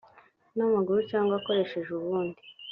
n amaguru cyangwa akoresheje ubundi